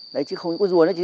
đấy chứ không có rùa nữa chứ